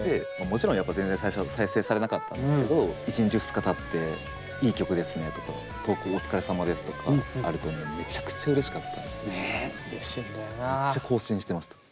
もちろんやっぱ全然最初は再生されなかったんですけど１日２日たって「いい曲ですね」とか「投稿お疲れさまです」とかあるとめっちゃ更新してました。